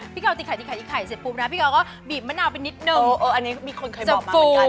พี่กาวตีไข่เสร็จปุ๊บนะพี่กาวก็บีบมะนาวไปนิดนึง